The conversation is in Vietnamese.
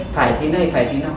phải thế này phải thế nào